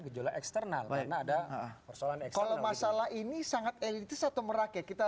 gejolak eksternal berada persoalan eksternal masalah ini sangat elitis atau merakeh kita